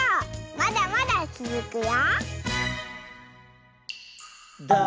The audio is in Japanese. まだまだつづくよ！